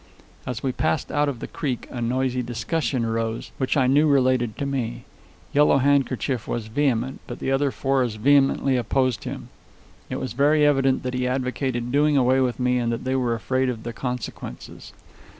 As we passed out of the creek a noisy discussion arose, which I knew related to me. Yellow Handkerchief was vehement, but the other four as vehemently opposed him. It was very evident that he advocated doing away with me and that they were afraid of the consequences.